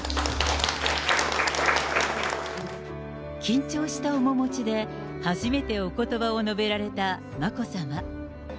緊張した面持ちで、初めておことばを述べられた眞子さま。